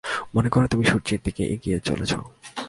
মনে কর, তুমি সূর্যের দিকে এগিয়ে চলেছ।